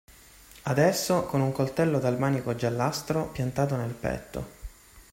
Adesso con un coltello dal manico giallastro piantato nel petto.